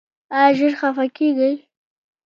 ایا ژر خفه کیږئ؟